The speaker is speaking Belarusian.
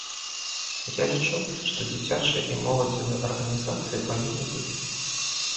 Я лічу, што дзіцячыя і моладзевыя арганізацыі павінны быць.